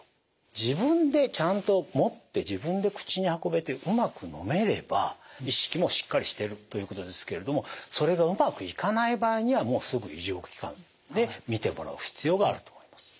自分でちゃんと持って自分で口に運べてうまく飲めれば意識もしっかりしてるということですけれどもそれがうまくいかない場合にはもうすぐ医療機関で診てもらう必要があると思います。